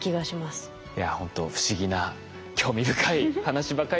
いやほんと不思議な興味深い話ばかりでした。